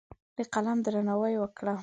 د قلم درناوی وکړه.